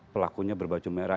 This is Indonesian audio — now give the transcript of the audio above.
pelakunya berbaju merah